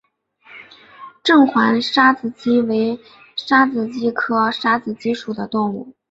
正环沙鸡子为沙鸡子科沙子鸡属的动物。